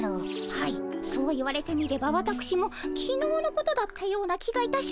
はいそう言われてみればわたくしもきのうのことだったような気がいたします。